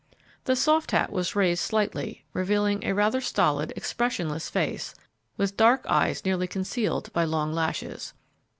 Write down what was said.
The soft hat was raised slightly, revealing a rather stolid, expressionless face, with dark eyes nearly concealed by long lashes.